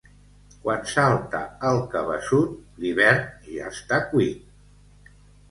Quan salta el cabeçut, l'hivern ja està cuit.